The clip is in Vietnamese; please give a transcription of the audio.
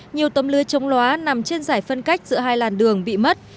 nhiều tấm lưới trống lóa nằm trên giải phân cách giữa hai làn đường bị mất